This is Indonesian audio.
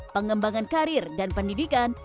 pengembangan karir dan pendidikan